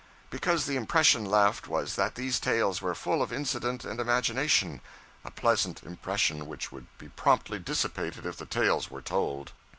Because the impression left, was that these tales were full of incident and imagination a pleasant impression which would be promptly dissipated if the tales were told.